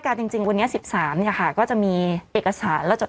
การจริงจริงวันนี้สิบสามเนี้ยค่ะก็จะมีเอกสารแล้วจด